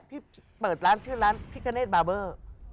พี่เปิดร้านชื่อร้านพิกาเนธบาเบอร์